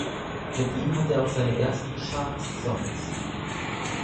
Mit ihm hatte er auch seine ersten Chartssongs.